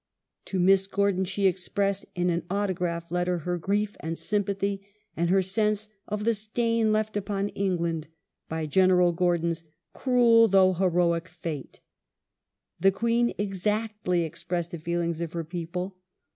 To Miss Gordon she expressed in an autograph letter her grief and sympathy and her sense of '' the stain left upon England " by General Gordon's " cruel though heroic fate". The Queen exactly expressed the feelings of her people.